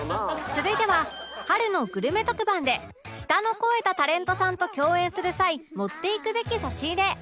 続いては春のグルメ特番で舌の肥えたタレントさんと共演する際持っていくべき差し入れ